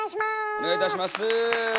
お願いいたします。